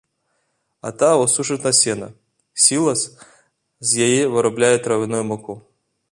Атаву сушаць на сена, сілас, з яе вырабляюць травяную муку.